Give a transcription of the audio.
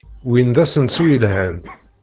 Win d asensu yelhan.